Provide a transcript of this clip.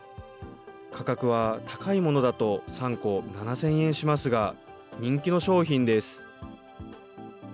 価格は高いものだと３個７０００円しますが、人気の商品です。